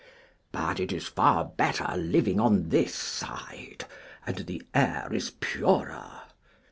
But it is far better living on this side, and the air is purer.